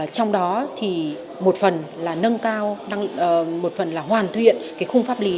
trong đó thì một phần là nâng cao một phần là hoàn thuyện cái khung pháp lý